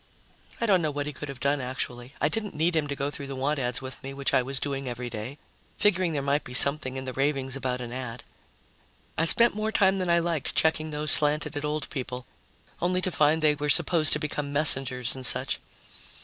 I don't know what he could have done, actually. I didn't need him to go through the want ads with me, which I was doing every day, figuring there might be something in the ravings about an ad. I spent more time than I liked checking those slanted at old people, only to find they were supposed to become messengers and such.